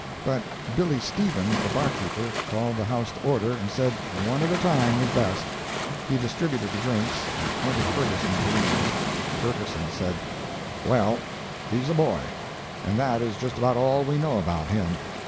But Billy Stevens, the barkeeper, called the house to order, and said one at a time was best. He distributed the drinks, and appointed Ferguson to lead. Ferguson said, "Well, he's a boy. And that is just about all we know about him.